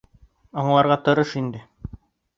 Аңларға тырыш инде.